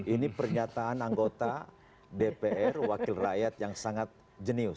ini pernyataan anggota dpr wakil rakyat yang sangat jenius